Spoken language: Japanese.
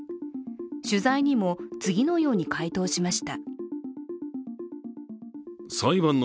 取材にも次のように回答しました。